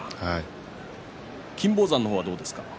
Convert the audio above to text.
金峰山の方はどうですか？